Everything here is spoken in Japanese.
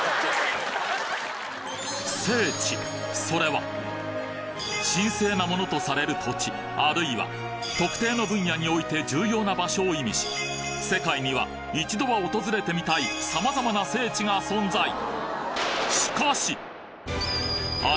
それは神聖なものとされる土地あるいは特定の分野において重要な場所を意味し世界には一度は訪れてみたい様々な聖地が存在